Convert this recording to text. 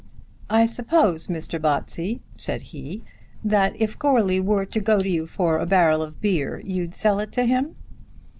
"I suppose, Mr. Botsey," said he, "that if Goarly were to go to you for a barrel of beer you'd sell it to him?"